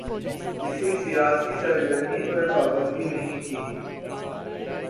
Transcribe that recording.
کسی سیاسی سرگرمی پر پابندی نہیں تھی۔